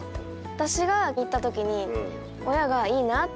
私が行ったときに親が「いいな」って。